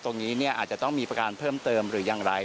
ตรงนี้อาจจะต้องมีประการเพิ่มเติมหรือยังไร